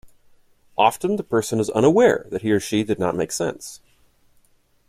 Often, the person is unaware that he or she did not make sense.